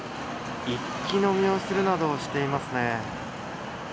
一気飲みをするなど、していますね